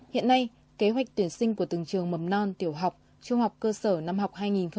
hiện nay kế hoạch tuyển sinh của từng trường mầm non tiểu học trung học cơ sở năm học hai nghìn một mươi năm hai nghìn một mươi sáu